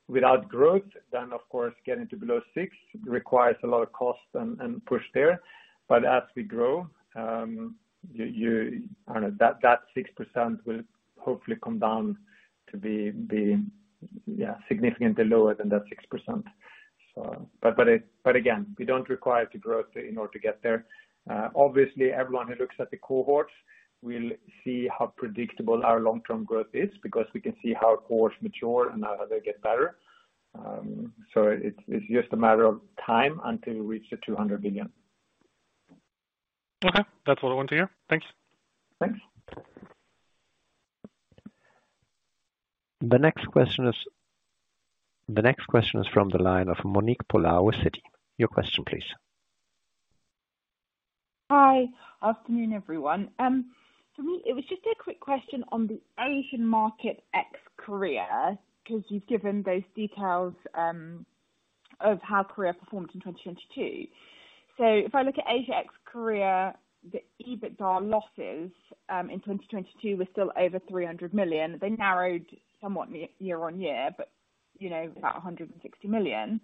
without growth, of course, getting to below 6 requires a lot of cost and push there. As we grow, you that 6% will hopefully come down to be, yeah, significantly lower than that 6%. Again, we don't require the growth in order to get there. Obviously everyone who looks at the cohorts will see how predictable our long-term growth is because we can see how cohorts mature and how they get better. It's just a matter of time until we reach the 200 billion. Okay. That's what I want to hear. Thanks. Thanks. The next question is from the line of Monique Pollard with Citi. Your question, please. Hi. Afternoon, everyone. For me, it was just a quick question on the Asian market ex-Korea, because you've given those details of how Korea performed in 2022. If I look at Asia ex-Korea, the EBITDA losses in 2022 were still over 300 million. They narrowed somewhat year-on-year, but you know, about 160 million.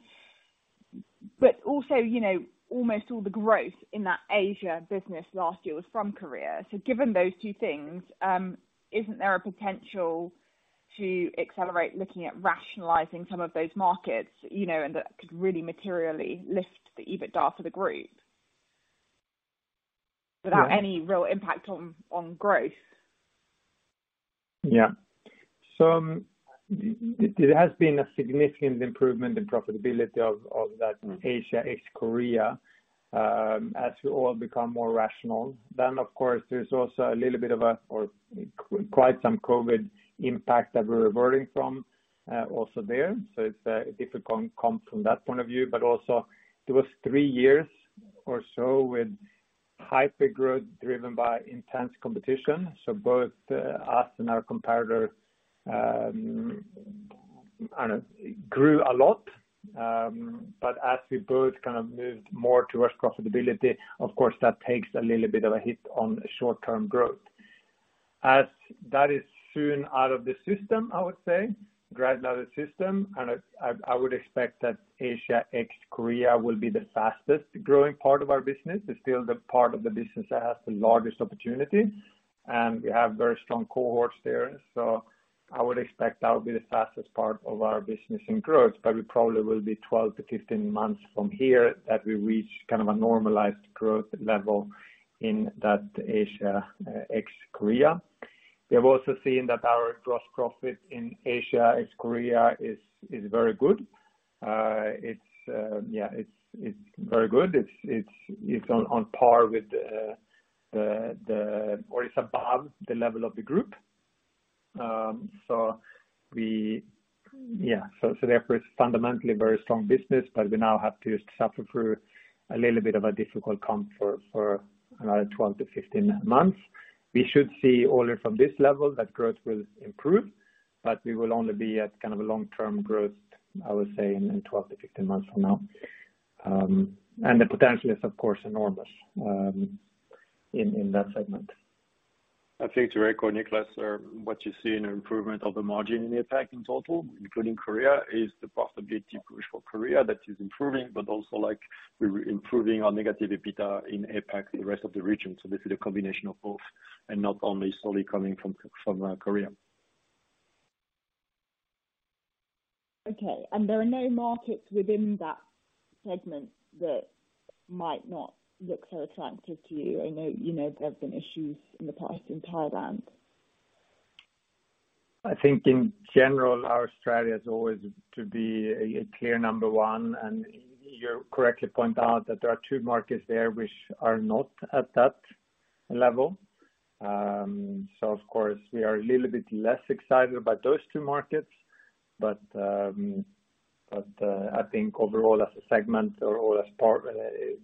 Also, you know, almost all the growth in that Asia business last year was from Korea. Given those two things, isn't there a potential to accelerate looking at rationalizing some of those markets, you know, and that could really materially lift the EBITDA for the group? Yeah. Without any real impact on growth? Yeah. It has been a significant improvement in profitability of that Asia ex-Korea, as we all become more rational. Of course, there's also a little bit of a, or quite some COVID impact that we're reverting from also there. It's a difficult comp from that point of view, but also it was three years or so with hypergrowth driven by intense competition. Both us and our competitor, I don't know, grew a lot. As we both kind of moved more towards profitability, of course that takes a little bit of a hit on short-term growth. As that is soon out of the system, I would say, gradually out of the system, and I would expect that Asia ex-Korea will be the fastest growing part of our business. It's still the part of the business that has the largest opportunity. We have very strong cohorts there. I would expect that will be the fastest part of our business in growth, but we probably will be 12 to 15 months from here that we reach kind of a normalized growth level in that Asia ex-Korea. We have also seen that our gross profit in Asia ex-Korea is very good. It's very good. It's on par with, or it's above the level of the group. Therefore it's fundamentally very strong business, but we now have to suffer through a little bit of a difficult comp for another 12 to 15 months. We should see orders from this level that growth will improve, but we will only be at kind of a long-term growth, I would say, in 12-15 months from now. The potential is of course enormous, in that segment. I think to echo Niklas, what you see in improvement of the margin in APAC in total, including Korea, is the possibility push for Korea that is improving, but also like we're improving our negative EBITDA in APAC, the rest of the region. This is a combination of both, and not only solely coming from Korea. Okay. There are no markets within that segment that might not look so attractive to you? I know, you know, there have been issues in the past in Thailand. I think in general, our strategy is always to be a clear number one, and you correctly point out that there are two markets there which are not at that level. Of course we are a little bit less excited about those two markets. I think overall as a segment or as part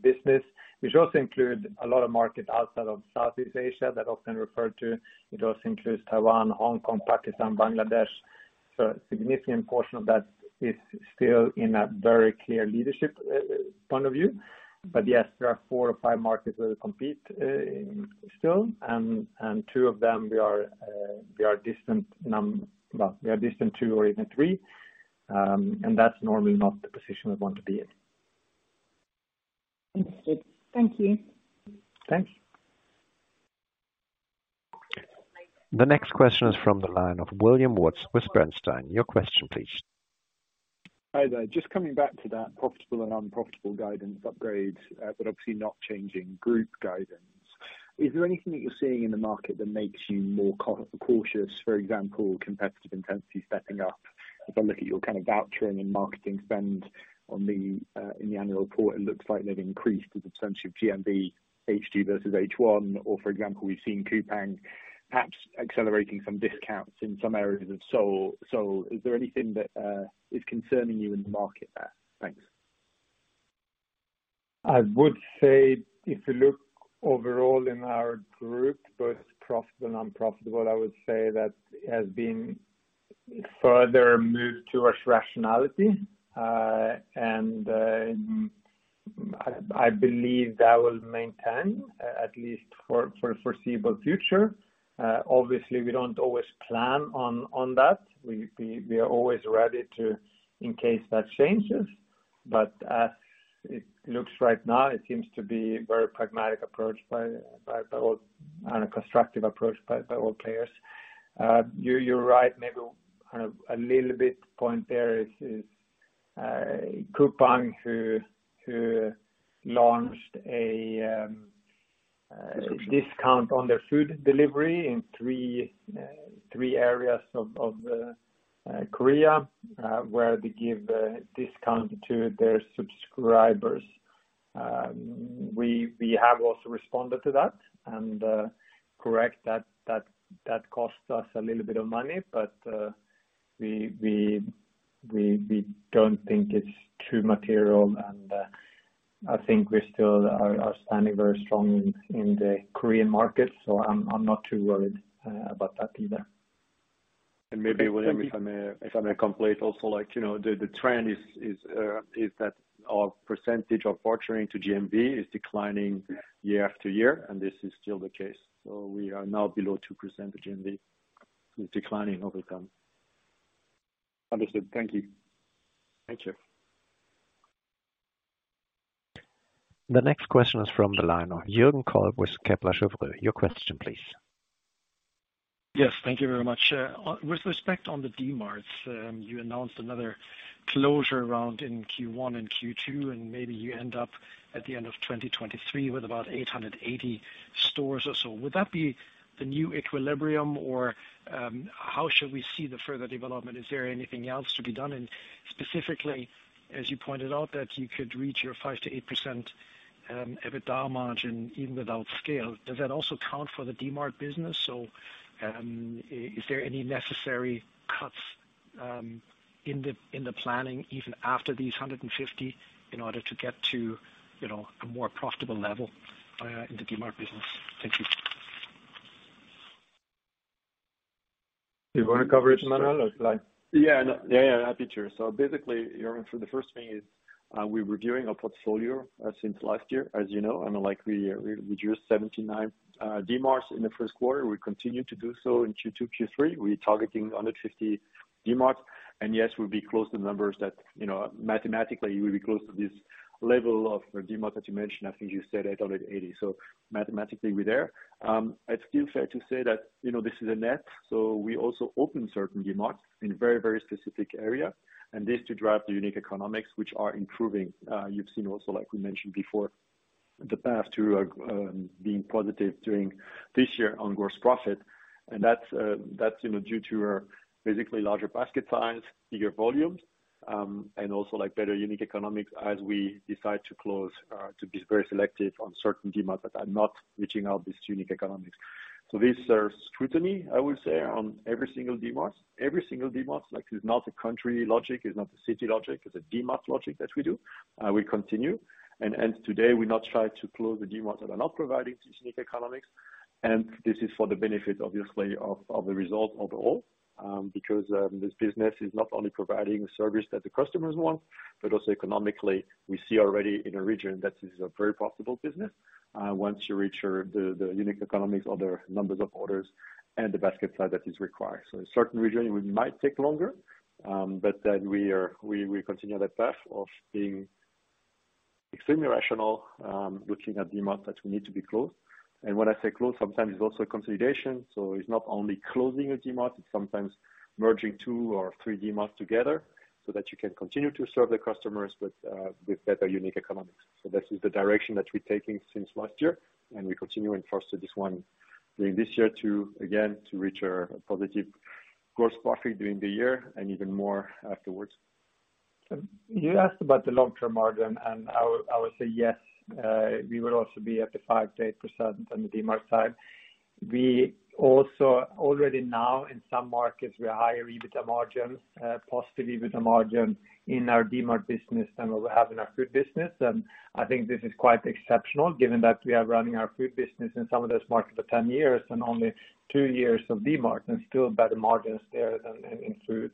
business, which also include a lot of markets outside of Southeast Asia that often referred to. It also includes Taiwan, Hong Kong, Pakistan, Bangladesh. A significant portion of that is still in a very clear leadership point of view. Yes, there are four or five markets where we compete still, and two of them we are distant two or even three, and that's normally not the position we want to be in. Understood. Thank you. Thanks. The next question is from the line of William Woods with Bernstein. Your question please. Hi there. Just coming back to that profitable and unprofitable guidance upgrade, obviously not changing group guidance. Is there anything that you're seeing in the market that makes you more cautious, for example, competitive intensity stepping up? If I look at your kind of vouchering and marketing spend on the in the annual report, it looks like they've increased as a percentage of GMV, HG versus H1 or for example, we've seen Coupang perhaps accelerating some discounts in some areas of Seoul. Is there anything that is concerning you in the market there? Thanks. I would say if you look overall in our group, both profit and unprofitable, I would say that it has been further moved towards rationality. I believe that will maintain at least for the foreseeable future. obviously we don't always plan on that. We are always ready to in case that changes. as it looks right now, it seems to be very pragmatic approach on a constructive approach by all players. you're right, maybe kind of a little bit point there is Coupang, who launched a discount on their food delivery in 3 areas of Korea, where they give a discount to their subscribers. We have also responded to that. Correct, that costs us a little bit of money, but we don't think it's too material. I think we still are standing very strong in the Korean market. I'm not too worried about that either. Maybe William, if I may complete also, like, you know, the trend is that our percentage of vouchering to GMV is declining year after year, and this is still the case. We are now below 2% of GMV. It's declining over time. Understood. Thank you. Thank you. The next question is from the line of Jürgen Kolb with Kepler Cheuvreux. Your question please. Yes, thank you very much. With respect on the Dmarts, you announced another closure round in Q1 and Q2, and maybe you end up at the end of 2023 with about 880 stores or so. Would that be the new equilibrium or, how should we see the further development? Is there anything else to be done? Specifically, as you pointed out, that you could reach your 5%-8% EBITDA margin even without scale. Does that also count for the Dmart business? Is there any necessary cuts in the planning even after these 150 in order to get to, you know, a more profitable level in the Dmart business? Thank you. You want to cover it, Manuel or shall I? Yeah. No, yeah. Happy to. Basically, Jürgen, for the first thing is, we're reviewing our portfolio since last year, as you know, and like we drew 79 Dmarts in the first quarter. We continue to do so in Q2, Q3. We're targeting 150 Dmarts. Yes, we'll be close to numbers that, you know, mathematically, we'll be close to this level of Dmart that you mentioned. I think you said 880. Mathematically we're there. It's still fair to say that, you know, this is a net. We also open certain Dmarts in very, very specific area. This to drive the unit economics which are improving. You've seen also, like we mentioned before, the path to being positive during this year on gross profit. That's, you know, due to our basically larger basket size, bigger volumes, and also like better unique economics as we decide to close, to be very selective on certain Dmarts that are not reaching out this unique economics. This scrutiny, I would say, on every single Dmarts, like it's not a country logic, it's not a city logic, it's a Dmart logic that we do. We continue. Today we not try to close the Dmarts that are not providing unique economics. This is for the benefit, obviously, of the result overall, because this business is not only providing service that the customers want, but also economically, we see already in a region that this is a very profitable business, once you reach the unit economics or the numbers of orders and the basket size that is required. In certain region it might take longer, but then we are, we continue that path of Extremely rational, looking at the amount that we need to be closed. When I say closed, sometimes it's also consolidation, so it's not only closing a Dmart, it's sometimes merging two or three Dmarts together so that you can continue to serve the customers with better unit economics. This is the direction that we're taking since last year, and we continue to enforce this one during this year to, again, to reach our positive gross profit during the year and even more afterwards. You asked about the long-term margin, I would say yes, we will also be at the 5%-8% on the Dmart side. We also already now in some markets, we are higher EBITDA margins, positive EBITDA margin in our Dmart business than we have in our food business. I think this is quite exceptional given that we are running our food business in some of those markets for 10 years and only 2 years of Dmart, still better margins there than in food.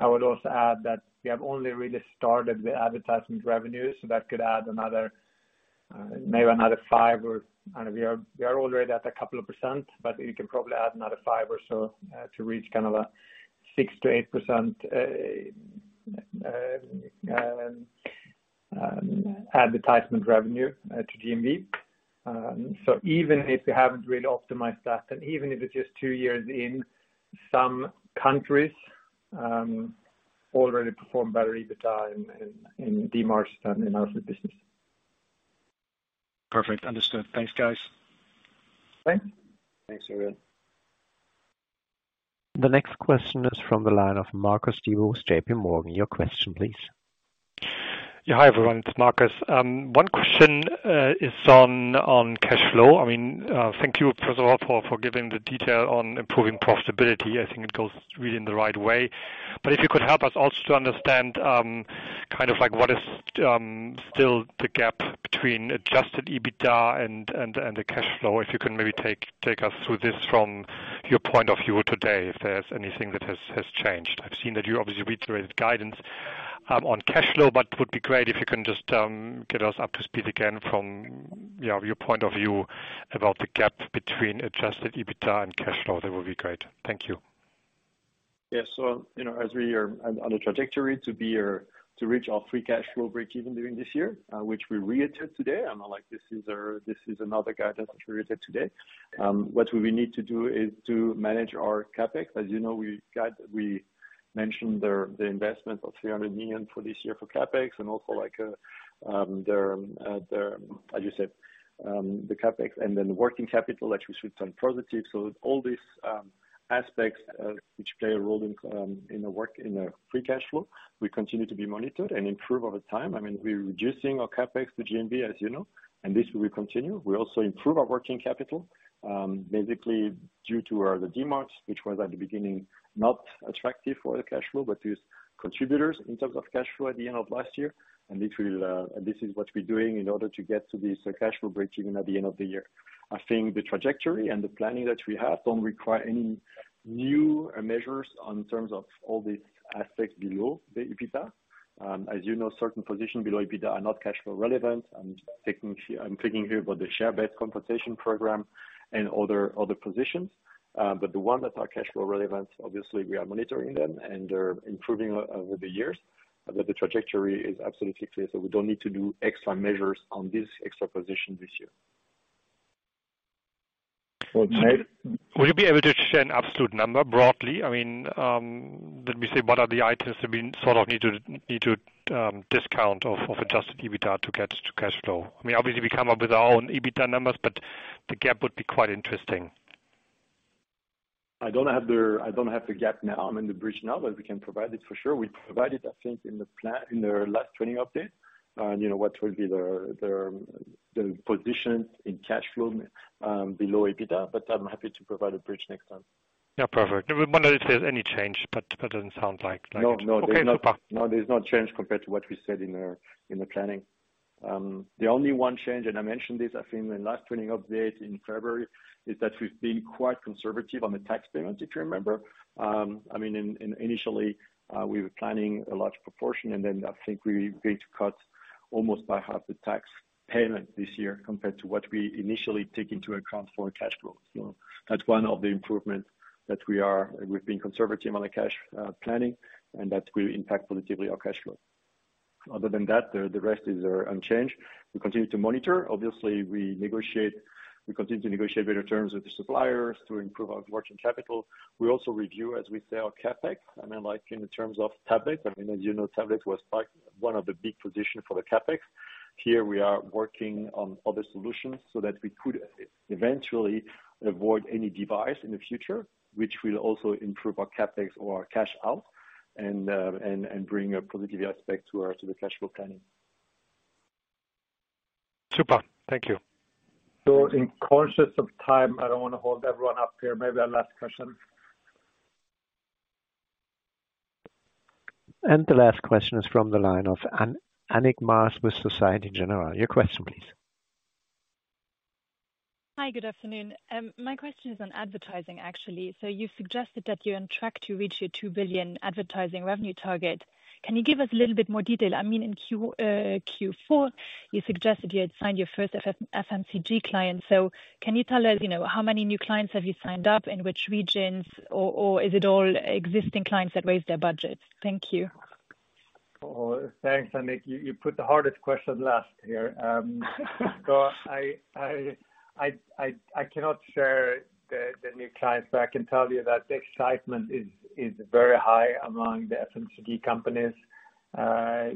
I would also add that we have only really started the advertising revenues, that could add another, maybe another 5 or... I know we are already at a couple of %, you can probably add another 5 or so to reach kind of a 6%-8% advertisement revenue to GMV. Even if we haven't really optimized that, and even if it's just 2 years in, some countries already perform better EBITDA in Dmarts than in our food business. Perfect. Understood. Thanks, guys. Thanks. Thanks, everyone. The next question is from the line of Marcus Diebel with JPMorgan. Your question please. Yeah. Hi, everyone. It's Marcus. One question is on cash flow. I mean, thank you first of all for giving the detail on improving profitability. I think it goes really in the right way. If you could help us also to understand, kind of like what is still the gap between adjusted EBITDA and the cash flow. If you can maybe take us through this from your point of view today, if there's anything that has changed. I've seen that you obviously reiterated guidance on cash flow, but it would be great if you can just get us up to speed again from your point of view about the gap between adjusted EBITDA and cash flow. That would be great. Thank you. Yeah. You know, as we are on a trajectory to be or to reach our free cash flow breakeven during this year, which we reiterated today, I'm not like, this is our... this is another guidance reiterated today. What we will need to do is to manage our CapEx. As you know, we mentioned the investment of 300 million for this year for CapEx and also like, the, how you say, the CapEx, and then the working capital that we switched on positive. All these aspects, which play a role in the free cash flow, will continue to be monitored and improve over time. I mean, we're reducing our CapEx to GMV, as you know, and this will continue. We also improve our working capital, basically due to our Dmarts, which was at the beginning, not attractive for the cash flow, but is contributors in terms of cash flow at the end of last year. This is what we're doing in order to get to this cash flow breakeven at the end of the year. I think the trajectory and the planning that we have don't require any new measures on terms of all these aspects below the EBITDA. As you know, certain positions below EBITDA are not cash flow relevant. I'm thinking here about the share-based compensation program and other positions. The ones that are cash flow relevant, obviously we are monitoring them and they're improving over the years. The trajectory is absolutely clear, so we don't need to do extra measures on this extra position this year. Would you be able to share an absolute number broadly? I mean, let me say what are the items that we sort of need to discount off of adjusted EBITDA to get to cash flow? I mean, obviously we come up with our own EBITDA numbers, but the gap would be quite interesting. I don't have the gap now. I'm in the bridge now. We can provide it for sure. We provided, I think, in the plan, in the last training update, you know, what will be the position in cash flow below EBITDA. I'm happy to provide a bridge next time. Yeah, perfect. We wonder if there's any change, but that doesn't sound like it. No, no. There's no- Okay. Super. No, there's no change compared to what we said in the planning. The only one change, and I mentioned this, I think, in the last training update in February, is that we've been quite conservative on the tax payment, if you remember. I mean, initially, we were planning a large proportion and then I think we're going to cut almost by half the tax payment this year compared to what we initially take into account for cash flow. That's one of the improvements that we are. We've been conservative on the cash planning and that will impact positively our cash flow. Other than that, the rest is unchanged. We continue to monitor. Obviously, we negotiate, we continue to negotiate better terms with the suppliers to improve our working capital. We also review, as we say, our CapEx. I mean, like in the terms of tablets, I mean, as you know, tablets was like one of the big positions for the CapEx. Here we are working on other solutions so that we could eventually avoid any device in the future, which will also improve our CapEx or our cash out and bring a positive aspect to our, to the cash flow planning. Super. Thank you. In conscious of time, I don't wanna hold everyone up here. Maybe our last question. The last question is from the line of Annick Maas with Société Générale. Your question please. Hi. Good afternoon. My question is on advertising actually. You suggested that you're on track to reach your 2 billion advertising revenue target. Can you give us a little bit more detail? I mean, in Q4, you suggested you had signed your first FMCG client. Can you tell us, you know, how many new clients have you signed up? In which regions? Or is it all existing clients that raised their budget? Thank you. Thanks, Annick. You put the hardest question last here. I cannot share the new clients, but I can tell you that the excitement is very high among the FMCG companies.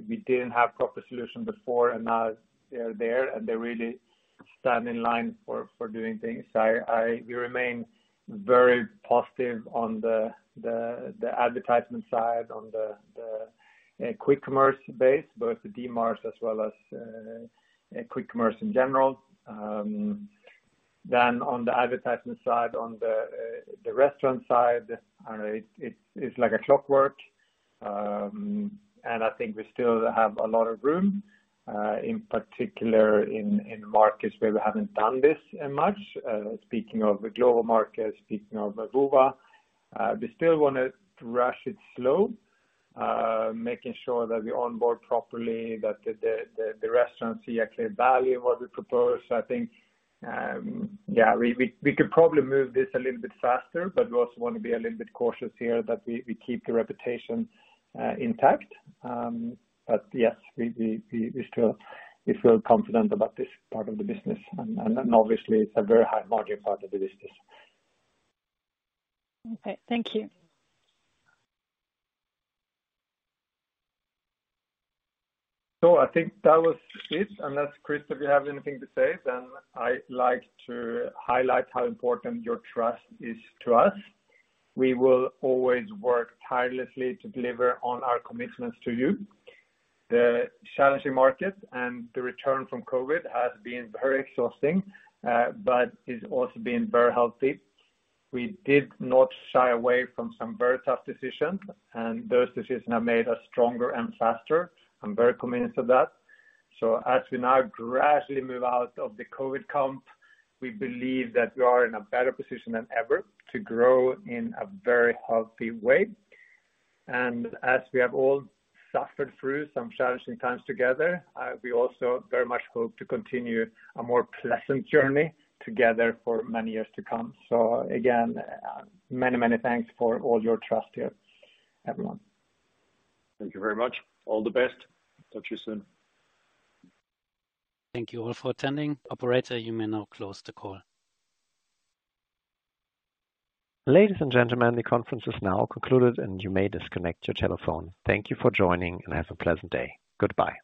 We didn't have proper solution before, and now they are there, and they really stand in line for doing things. We remain very positive on the advertisement side, on the quick commerce base, both the Dmarts as well as quick commerce in general. On the advertisement side, on the restaurant side, I know it's like a clockwork. I think we still have a lot of room in particular in markets where we haven't done this as much. Speaking of the global market, speaking of Aruba, we still wanna rush it slow, making sure that we onboard properly, that the restaurants see actually value in what we propose. I think, yeah, we could probably move this a little bit faster, but we also wanna be a little bit cautious here that we keep the reputation intact. Yes, we still, we feel confident about this part of the business. Obviously it's a very high-margin part of the business. Okay. Thank you. I think that was it. Unless, Chris, if you have anything to say, I like to highlight how important your trust is to us. We will always work tirelessly to deliver on our commitments to you. The challenging market and the return from COVID has been very exhausting, but it's also been very healthy. We did not shy away from some very tough decisions, those decisions have made us stronger and faster. I'm very convinced of that. As we now gradually move out of the COVID comp, we believe that we are in a better position than ever to grow in a very healthy way. As we have all suffered through some challenging times together, we also very much hope to continue a more pleasant journey together for many years to come Again, many thanks for all your trust here, everyone. Thank you very much. All the best. Talk to you soon. Thank you all for attending. Operator, you may now close the call. Ladies and gentlemen, the conference is now concluded, and you may disconnect your telephone. Thank you for joining, and have a pleasant day. Goodbye.